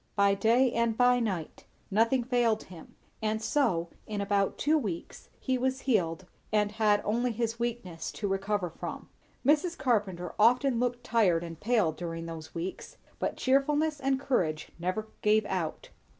By day and by night; nothing failed him; and so, in about two weeks, he was healed and had only his weakness to recover from. Mrs. Carpenter often looked tired and pale during those weeks, but cheerfulness and courage never gave out.